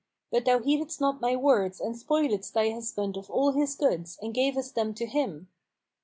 But thou heededst not my words and spoiledst thy husband of all his goods and gavest them to him.